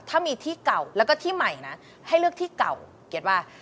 ถ้ามีที่เก่าแล้วก็ที่ใหม่นะให้เลือกที่เก่าเก็ตว่า